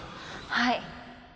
はい。